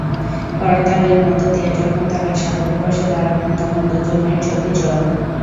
করতালির মধ্য দিয়ে যখন তাঁরা সাগরের পাশে দাঁড়ালেন, তখন দুজনের চোখেই জল।